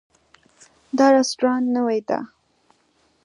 دا رستورانت نوی ده